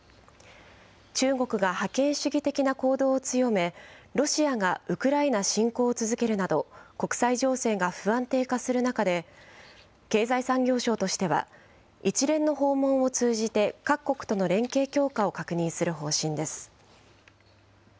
中国が覇権主義的な行動を強め、ロシアがウクライナ侵攻を続けるなど、国際情勢が不安定化する中で、経済産業省としては、一連の訪問を通じて、各国との連携強化を確認する方針です。